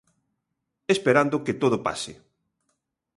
Esperando que todo pase.